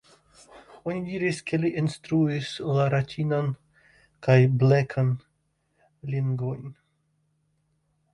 Oni diris ke li instruis la Ratinan kaj Blekan lingvojn.